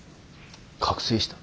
覚醒した？